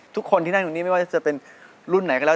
ทุกคนที่นั่งตรงนี้ไม่ว่าจะเป็นรุ่นไหนก็แล้ว